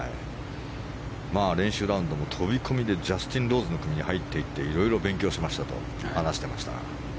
練習ラウンドも飛び込みでジャスティン・ローズの組に入っていっていろいろ勉強しましたと話していました。